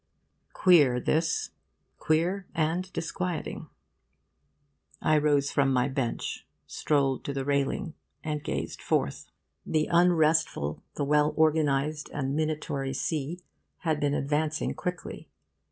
Queer, this; queer and disquieting. I rose from my bench, strolled to the railing, and gazed forth. The unrestful, the well organised and minatory sea had been advancing quickly.